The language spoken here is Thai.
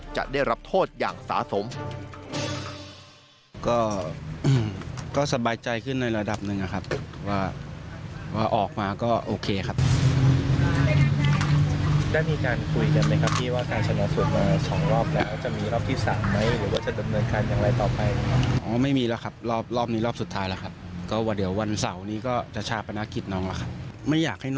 จะได้รับโทษอย่างสะสม